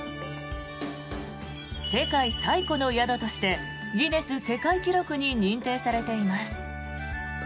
世界最古の宿としてギネス世界記録に認定されています。